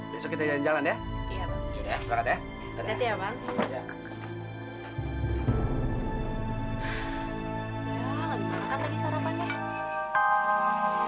besok kita jalan jalan ya